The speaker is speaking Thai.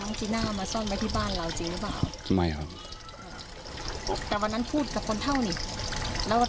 น้องจีน่าเพิ่มแลกยาทำไมก็ได้ไปพูดกับคนเท่าไหนเยอะ